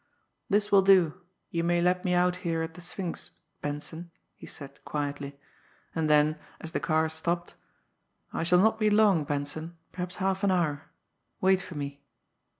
"This will do. You may let me out here at The Sphinx, Benson," he said quietly; and then, as the car stopped: "I shall not be long, Benson perhaps half an hour wait for me."